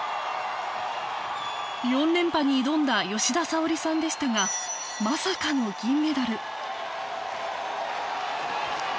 ４連覇に挑んだ吉田沙保里さんでしたがまさかの銀メダル